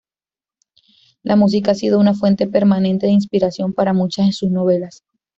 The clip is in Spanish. La música ha sido una fuente permanente de inspiración para muchas de sus novelas.